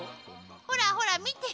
ほらほら見て。